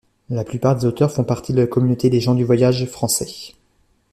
La plupart des auteurs font partie de la communauté des gens du voyage français.